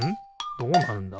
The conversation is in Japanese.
どうなるんだ？